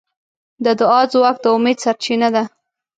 د دعا ځواک د امید سرچینه ده.